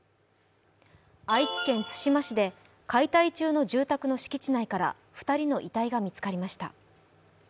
愛知県津島市で解体中の住宅の敷地内から２人の遺体が見つかりました。